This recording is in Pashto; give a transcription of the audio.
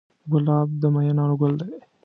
ګلاب د مینانو ګل دی.